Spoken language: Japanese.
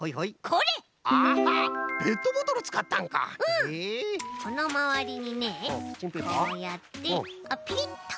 このまわりにねこうやってピリッと。